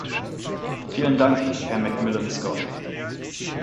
Vielen Dank Herr McMillan-Scott.